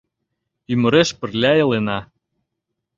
Ӱмыреш пырля илена.